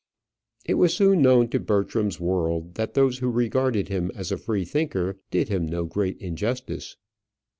It was soon known to Bertram's world that those who regarded him as a freethinker did him no great injustice.